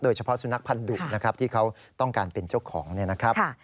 เฉพาะสุนัขพันธุนะครับที่เขาต้องการเป็นเจ้าของเนี่ยนะครับ